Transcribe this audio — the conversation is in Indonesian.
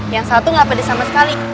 yang satu gak pedas sama sekali